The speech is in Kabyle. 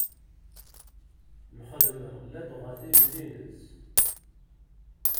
Lxedma ladɣa tilelli-ines.